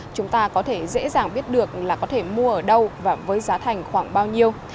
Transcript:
chúng ta có thể dễ dàng biết được là có thể mua ở đâu và với giá thành khoảng bao nhiêu